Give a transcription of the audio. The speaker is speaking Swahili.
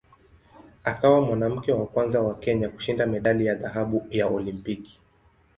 Akawa mwanamke wa kwanza wa Kenya kushinda medali ya dhahabu ya Olimpiki.